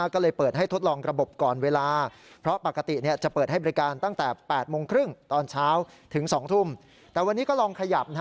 ก็ลองขยับไปเปิดตั้งแต่๘โมงนะครับคุณนะครับ